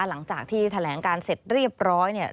หลังจากที่แถลงการเสร็จเรียบร้อยเนี่ย